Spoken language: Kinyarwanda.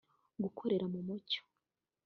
gukorera mu mucyo